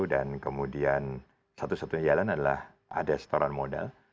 dan kemudian satu satunya jalan adalah ada setoran modal